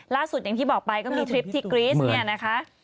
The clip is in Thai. อย่างที่บอกไปก็มีทริปที่กรี๊สเนี่ยนะคะ